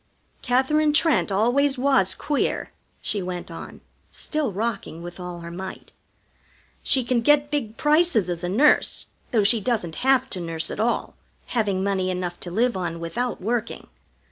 "Katherine Trent always was queer," she went on, still rocking with all her might. "She can get big prices as a nurse, though she doesn't have to nurse at all, having money enough to live on without working.